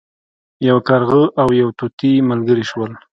یو کارغه او یو طوطي ملګري شول.